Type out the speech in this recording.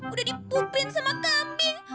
udah dipupin sama kuda aku nih ya